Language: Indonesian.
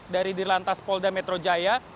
dari dirlantas polda metro jaya